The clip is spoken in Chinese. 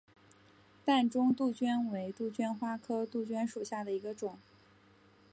淡钟杜鹃为杜鹃花科杜鹃属下的一个种。